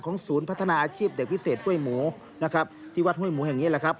ของศูนย์พัฒนาอาชีพเด็กพิเศษเว้ยหมูที่วาดเว้ยหมูแห่งนี้แหละครับ